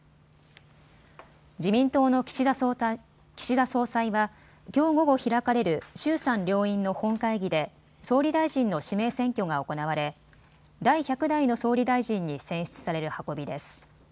自民党の岸田総裁はきょう午後開かれる衆参両院の本会議で総理大臣の指名選挙が行われ第１００代の総理大臣に選出される運びです。